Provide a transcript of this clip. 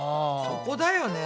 そこだよね。